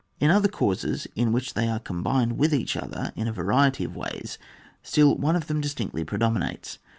In other cases, in which they are combined with each other in a variety of ways, still, one of them distinctly predominates.